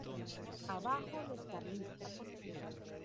Abajo los carlistas!"".